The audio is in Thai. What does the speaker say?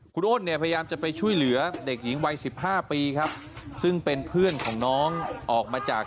คุณอ้นเนี่ยพยายามจะไปช่วยเหลือเด็กหญิงวัย๑๕ปีครับซึ่งเป็นเพื่อนของน้องออกมาจาก